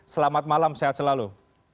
terima kasih banyak mas revo